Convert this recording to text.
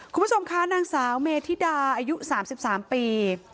คุณผู้ชมคะนางสาวเมธิดาอายุ๓๓ปี